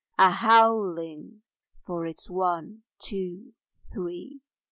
A howling for its One, Two, Three!